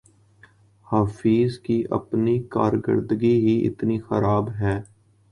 حفیظ کی اپنی کارکردگی ہی اتنی خراب ہے